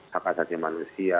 hak asasi manusia